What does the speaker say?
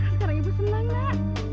sekarang ibu senang nak